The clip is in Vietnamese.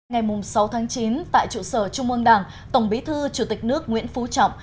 ngày sáu chín tại trụ sở trung ương đảng tổng bí thư chủ tịch nước nguyễn phú trọng